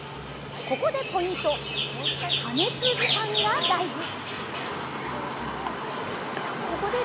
ここでポイント加熱時間が大事。